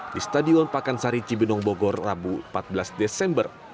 di stadion pakansari cibinong bogor rabu empat belas desember